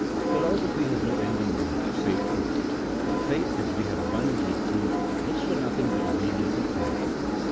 Philosophy has no end in view save truth : faith, as we have abundantly proved, looks for nothing but obedience and piety.